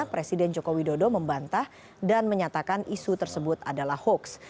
presiden joko widodo membantah dan menyatakan isu tersebut adalah hoax